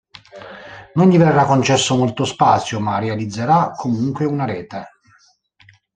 Non gli verrà concesso molto spazio ma realizzerà comunque una rete.